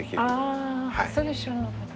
ああそれ知らなかった。